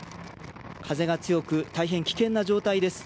風が強く、大変危険な状態です。